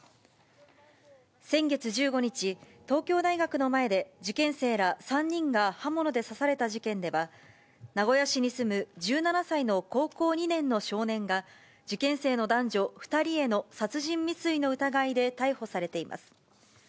先月１５日、東京大学の前で受験生ら３人が刃物で刺された事件では、名古屋市に住む１７歳の高校２年の少年が、受験生の男女２人への殺人未遂の疑いで逮捕されています。